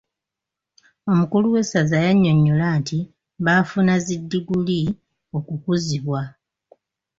Omukulu w'esazza yannyonyola nti baafuna zi diguli okukuzibwa.